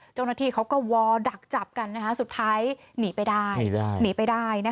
เจ้าหน้าที่เขาก็วอดักจับกันนะคะสุดท้ายหนีไปได้